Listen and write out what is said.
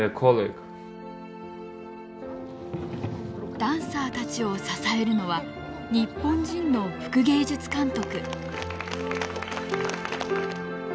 ダンサーたちを支えるのは日本人の副芸術監督。